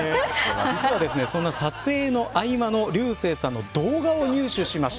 実はそんな撮影の合間の竜星さんの動画を入手しました。